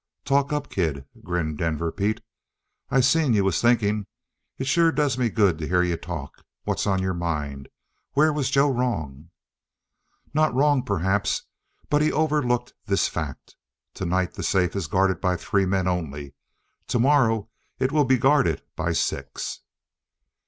"Talk up, kid," grinned Denver Pete. "I seen you was thinking. It sure does me good to hear you talk. What's on your mind? Where was Joe wrong?" "Not wrong, perhaps. But he overlooked this fact: tonight the safe is guarded by three men only; tomorrow it will be guarded by six."